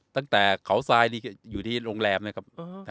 ตั้งแต่เขาทรายนี่อยู่ที่โรงแรมนะครับ